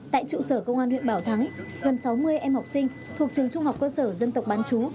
tại trụ sở công an huyện bảo thắng gần sáu mươi em học sinh thuộc trường trung học cơ sở dân tộc bán chú